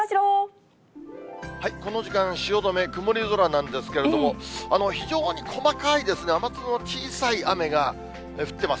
この時間、汐留、曇り空なんですけれども、非常に細かいですね、雨粒の小さい雨が降ってます。